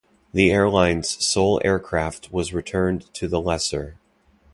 The airlines's sole aircraft was returned to the lessor.